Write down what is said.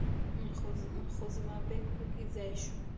خو زما بیک په کې ځای شو.